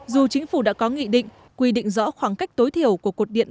dù chính phủ đã có nghị định quy định rõ khoảng cách tối thiểu của cột điện